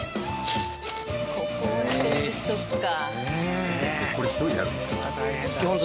ここは一つ一つか。